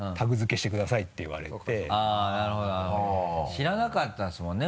知らなかったんですもんね